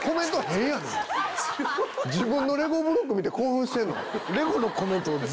自分のレゴブロック見て興奮してんの？